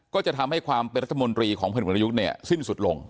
ก็จะทำให้ความเป็นรัฐมนตรีของพลเอกประยุทธ์เนี่ยสิ้นสุดลง